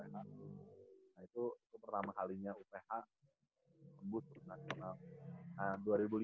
nah itu itu pertama kalinya uph kembus ke nasional